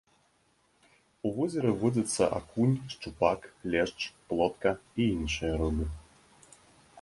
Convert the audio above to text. У возеры водзяцца акунь, шчупак, лешч, плотка і іншыя рыбы.